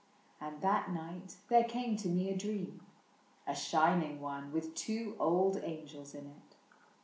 — And that night There came to me a dream —a shining one, With two old angels in it.